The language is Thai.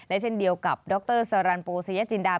และเช่นเดียวกับดรสรรโปสยจินดา